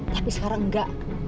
tapi sekarang enggak